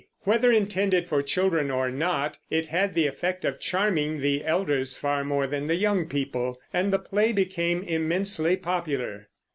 Whether intended for children or not, it had the effect of charming the elders far more than the young people, and the play became immensely popular.